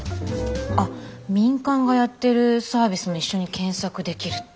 あっ民間がやってるサービスも一緒に検索できるって。